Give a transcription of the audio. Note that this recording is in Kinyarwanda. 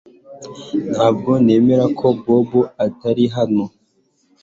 Ntabwo nemera ko Bobo atari hano